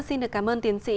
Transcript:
xin được cảm ơn tiến sĩ